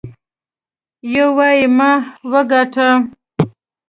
يو وايي ما وګاټه.